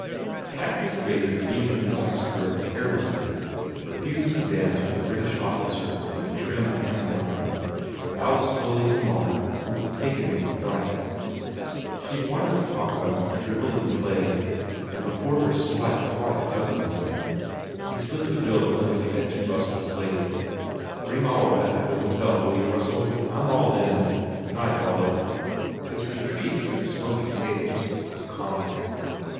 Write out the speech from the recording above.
The actress draped a green and black skirt carelessly, refused" to dance with a British officer in a trim pantomime, bowed slowly to Mark who was taken with fright. She d want to talk about this drivelling play and before her slight, quiet husband. He slipped a bill under the edge of Russell s plate. "Bring Olive back to the hotel will you Russell? I m all in. Night, Olive." His retreat through the smoky tables was comic.